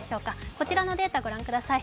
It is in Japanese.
こちらのデータご覧ください。